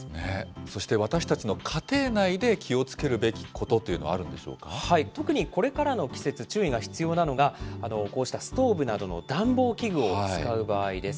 そして私たちの家庭内で気をつけるべきことっていうのはある特にこれからの季節、注意が必要なのが、こうしたストーブなどの暖房器具を使う場合です。